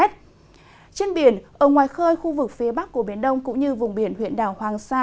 trên biển ở ngoài khơi khu vực phía bắc của biển đông cũng như vùng biển huyện đảo hoàng sa